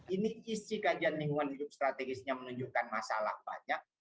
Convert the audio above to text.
ini isi kajian lingkungan hidup strategisnya menunjukkan masalah banyak